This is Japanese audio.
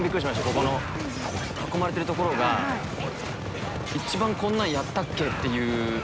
ここの囲まれてるところが一番こんなのやったっけっていう。